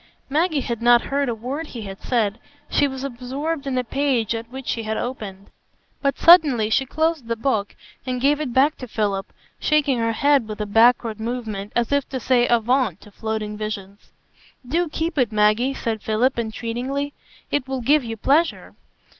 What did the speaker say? Maggie had not heard a word he had said; she was absorbed in a page at which she had opened. But suddenly she closed the book, and gave it back to Philip, shaking her head with a backward movement, as if to say "avaunt" to floating visions. "Do keep it, Maggie," said Philip, entreatingly; "it will give you pleasure."